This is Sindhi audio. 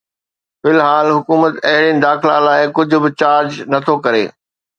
في الحال، حڪومت اهڙين داخلا لاء ڪجھ به چارج نٿو ڪري